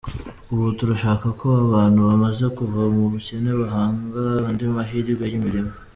Ubu turashaka ko abantu bamaze kuva mu bukene bahanga andi mahirwe y’imirimo.